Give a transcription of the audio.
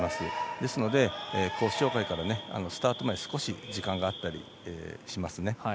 ですのでスタート前少し時間があったりしますね。